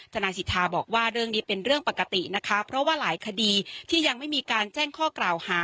นายสิทธาบอกว่าเรื่องนี้เป็นเรื่องปกตินะคะเพราะว่าหลายคดีที่ยังไม่มีการแจ้งข้อกล่าวหา